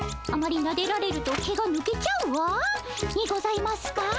あまりなでられると毛がぬけちゃうわ」にございますか？